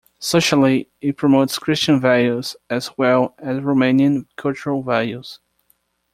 Socially, it promotes Christian values as well as Romanian cultural values.